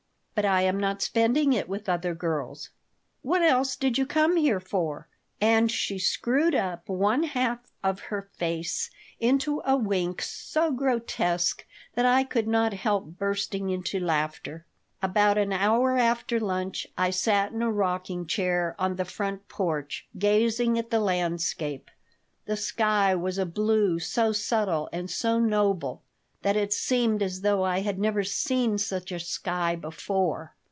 "But I am not spending it with other girls." "What else did you come here for?" And she screwed up one half of her face into a wink so grotesque that I could not help bursting into laughter About an hour after lunch I sat in a rocking chair on the front porch, gazing at the landscape. The sky was a blue so subtle and so noble that it seemed as though I had never seen such a sky before.